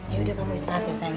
ya udah kamu istirahat ya sayang